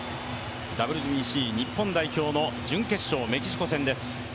ＷＢＣ日本代表の準決勝、メキシコ戦です。